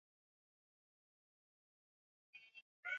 Niambie kuhusu madhara ya kutumia mihadarati